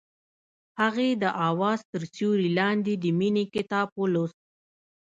هغې د اواز تر سیوري لاندې د مینې کتاب ولوست.